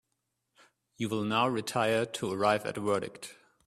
You will now retire to arrive at a verdict.